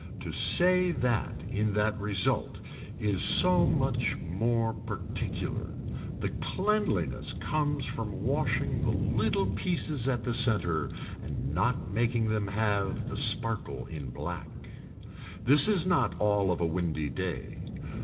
To say that in that result is so much more particular. The cleanliness comes from washing the little pieces at the center and not making them have the sparkle in black. This is not all of a windy day.